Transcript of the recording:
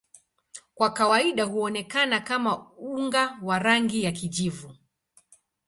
Kwa kawaida huonekana kama unga wa rangi ya kijivu.